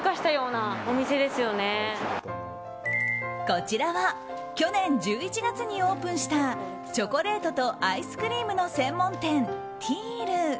こちらは去年１１月にオープンしたチョコレートとアイスクリームの専門店ｔｅａｌ。